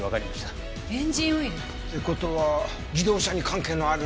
エンジンオイル？って事は自動車に関係のある場所。